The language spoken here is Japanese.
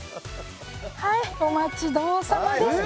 はいお待ち遠さまです。